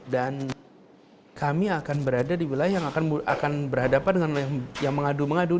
dan kami akan berada di wilayah yang akan berhadapan dengan yang mengadu mengadu